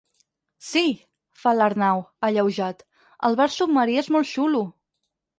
Sí —fa l'Arnau, alleujat—, el bar submarí és molt xulo.